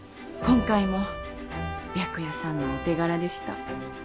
今回も白夜さんのお手柄でした。